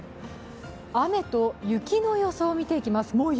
雨と雪の予想を見ていきます。